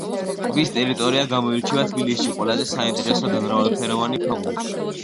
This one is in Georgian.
ტბის ტერიტორია გამოირჩევა თბილისში ყველაზე საინტერესო და მრავალფეროვანი ფაუნით.